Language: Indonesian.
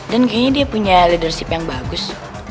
dan kayaknya dia punya leadership yang bagus